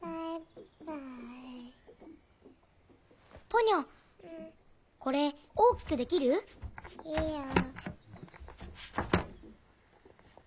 ポニョこれ大きくできる？いいよ。